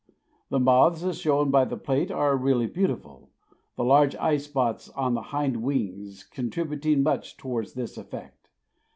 The moths, as shown by the plate, are really beautiful; the large eye spots on the hind wings contributing much towards this effect.